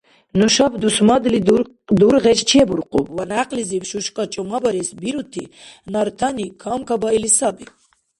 Нушаб дусмадли дургъес чебуркъуб, ва някълизиб шушкӀа чӀумабарес бирути нартани камкабаили саби.